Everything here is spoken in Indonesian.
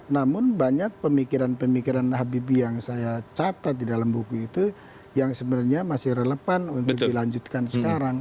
namun banyak pemikiran pemikiran habibie yang saya catat di dalam buku itu yang sebenarnya masih relevan untuk dilanjutkan sekarang